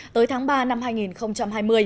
tới tháng ba năm hai nghìn hai mươi